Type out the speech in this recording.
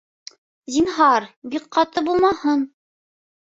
Зинһар, бик ҡаты булмаһын